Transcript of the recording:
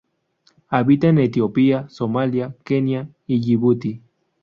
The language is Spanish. Habita en Etiopía, Somalia, Kenia y Yibuti.